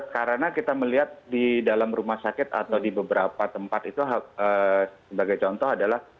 karena kita melihat di dalam rumah sakit atau di beberapa tempat itu sebagai contoh adalah